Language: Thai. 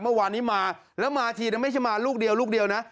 เมื่อวานนี้มาแล้วมาทีนะไม่ใช่มาลูกเดียวลูกเดียวนะ